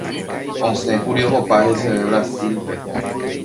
osẽkuri ohopa heseve Brasil-pe.